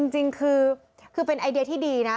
จริงคือเป็นไอเดียที่ดีนะ